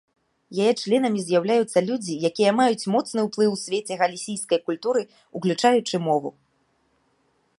Яе членамі з'яўляюцца людзі, якія маюць моцны ўплыў у свеце галісійкай культуры, уключаючы мову.